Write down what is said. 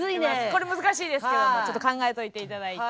これ難しいですけどもちょっと考えといて頂いて。